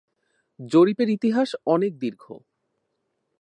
জরিপের ইতিহাস অনেক দীর্ঘ।